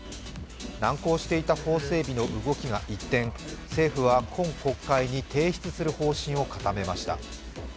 難航していた法整備の動きが一転、政府は今国会に提出する方針を固めました。